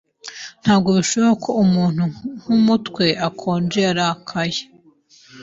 Ntabwo bishoboka ko umuntu nkumutwe ukonje yarakaye.